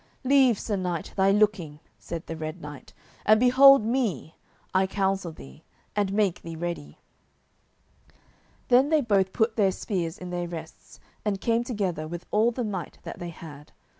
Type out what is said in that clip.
"Leave, Sir Knight, thy looking," said the Red Knight, "and behold me, I counsel thee, and make thee ready." Then they both put their spears in their rests, and came together with all the might that they had.